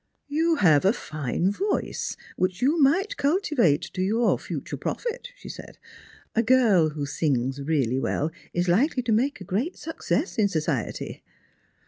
" You have a fine voice, which you might cultivate to your future profit," she said ;" a girl who sings really well is likely to make a great success in society."